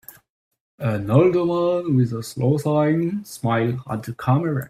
An older man with a slow sign smiles at the camera.